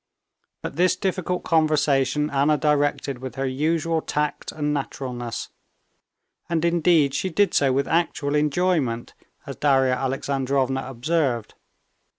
But this difficult conversation Anna directed with her usual tact and naturalness, and indeed she did so with actual enjoyment, as Darya Alexandrovna observed.